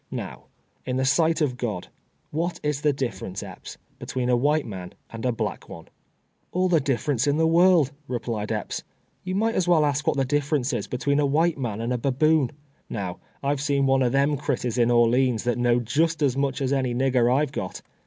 Now, in the sight of God, what is the diflerence, Epps, between a white man and a black one ?"" All the diiierence in the world," replied Epps. " You might as well ask what the dilferencc is be DISCUSSION ON SLAVERY. 267 tween a white man and a baboon. Kow, I've seen <f;ne of them critters in Orleans that knowed just as nuch as any nigger I've got.